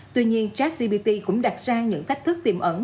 tuy nhiên gartsgpt cũng đặt ra những thách thức tiềm ẩn